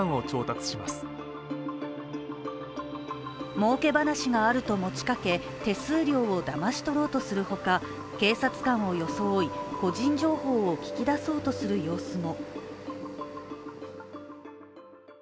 もうけ話があると持ちかけ手数料をだまし取ろうとするほか警察官を装い、個人情報を聞き出そうとする様子も。